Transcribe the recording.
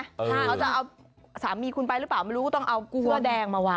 เขาจะเอาสามีคุณไปหรือเปล่าไม่รู้ต้องเอากล้วยแดงมาวาง